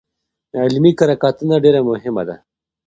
علمي کره کتنه ډېره مهمه ده.